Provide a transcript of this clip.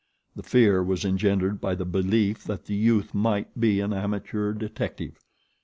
The fear was engendered by the belief that the youth might be an amateur detective.